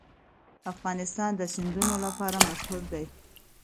افغانستان د سیندونه لپاره مشهور دی.